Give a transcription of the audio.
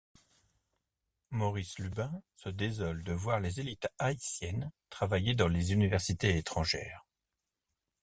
Maurice Lubin se désole de voir les élites haïtiennes travailler dans les universités étrangères.